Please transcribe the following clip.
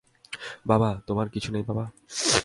বাবা, তোমার কিছু নেই বাবা?